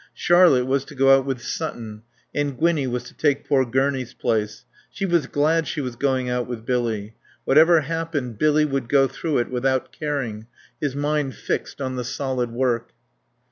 Charlotte was to go out with Sutton, and Gwinnie was to take poor Gurney's place. She was glad she was going with Billy. Whatever happened Billy would go through it without caring, his mind fixed on the solid work.